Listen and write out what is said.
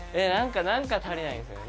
なんか足りないんですよね。